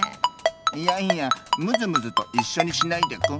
いやいやムズムズといっしょにしないでクン！